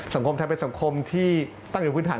สังคมไทยเป็นสังคมที่ตั้งอยู่พื้นฐาน